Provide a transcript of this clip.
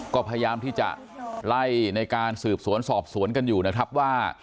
ก็พยายามที่จะไล่ในการสืบสวนสอบสวนกันอยู่นะครับว่า